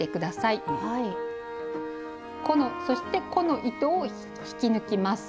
そしてこの糸を引き抜きます。